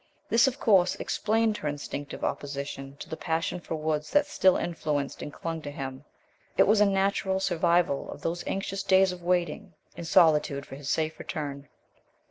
This, of course, explained her instinctive opposition to the passion for woods that still influenced and clung to him. It was a natural survival of those anxious days of waiting in solitude for his safe return.